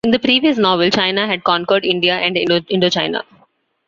In the previous novel, China had conquered India and Indochina.